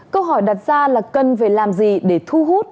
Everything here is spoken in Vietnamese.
câu hỏi đặt ra là cần phải làm gì để thu hút